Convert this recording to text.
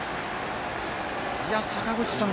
坂口さん